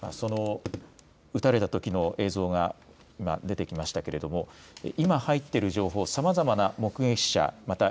その撃たれたときの映像が今、出てきましたけれども今入っている情報さまざまな目撃者